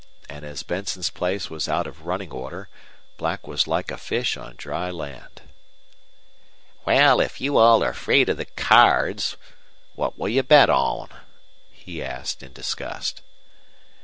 And as Benson's place was out of running order, Black was like a fish on dry land. "Wal, if you all are afraid of the cairds, what will you bet on?" he asked, in disgust.